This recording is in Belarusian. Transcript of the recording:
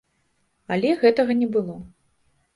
Але гэтага не было.